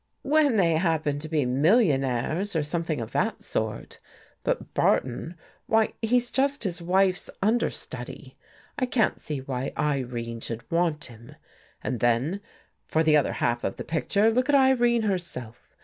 " When they happen to be millionaires or some thing of that sort. But Barton — why, he's just his wife's understudy. I can't see why Irene should want him. And then, for the other half of the pic ture, look at Irene herself.